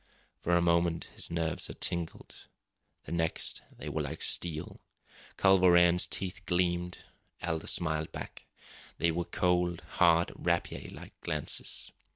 For a moment his nerves had tingled the next they were like steel. Culver Rann's teeth gleamed. Aldous smiled back. They were cold, hard, rapierlike glances.